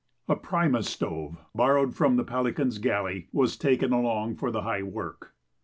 A "primus" stove, borrowed from the Pelican's galley, was taken along for the high work.